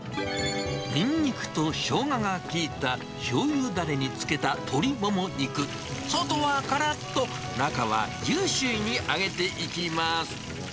にんにくとしょうがが効いたしょうゆだれに漬けた鶏もも肉、外はからっと、中はジューシーに揚げていきます。